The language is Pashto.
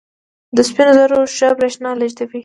د سپینو زرو ښه برېښنا لېږدوي.